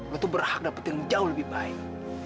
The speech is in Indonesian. gue tuh berhak dapat yang jauh lebih baik